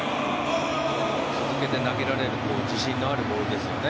続けて投げられる自信のあるボールですよね